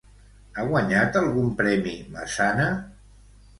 Ha guanyat algun premi Massana?